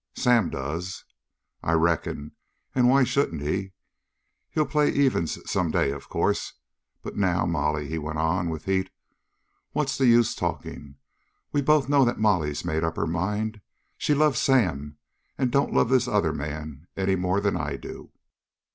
"Sam does." "I reckon and why shouldn't he? He'll play evens some day, of course. But now, Molly," he went on, with heat, "what's the use talking? We both know that Molly's made up her mind. She loves Sam and don't love this other man any more than I do.